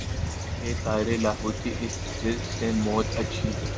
اے طائر لاہوتی اس رزق سے موت اچھی